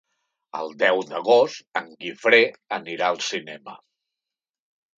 El deu d'agost en Guifré anirà al cinema.